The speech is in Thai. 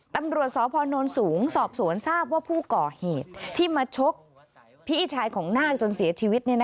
ตำรวจสพนสูงสอบสวนทราบว่าผู้ก่อเหตุที่มาชกพี่ชายของนาคจนเสียชีวิต